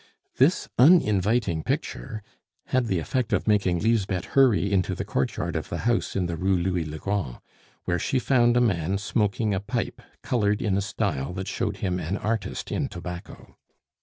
This uninviting picture had the effect of making Lisbeth hurry into the courtyard of the house in the Rue Louis le Grand, where she found a man smoking a pipe colored in a style that showed him an artist in tobacco.